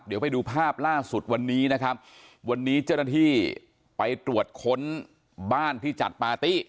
เดี๋ยวไปดูภาพล่าสุดวันนี้นะครับวันนี้เจ้าหน้าที่ไปตรวจค้นบ้านที่จัดปาร์ตี้